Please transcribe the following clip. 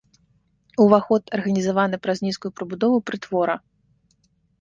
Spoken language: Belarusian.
Уваход арганізаваны праз нізкую прыбудову прытвора.